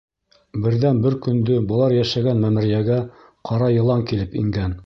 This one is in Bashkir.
Берҙән-бер көндө былар йәшәгән мәмерйәгә ҡара йылан килеп ингән.